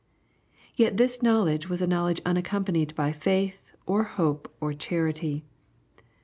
— Yet this knowledge was a knowledge unaccompanied by faith, or hope, or charity.